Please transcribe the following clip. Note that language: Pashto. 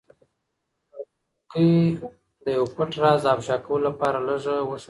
کړکۍ د یو پټ راز د افشا کولو لپاره لږه وښورېده.